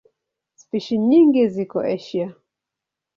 Spishi nyingi ziko Asia.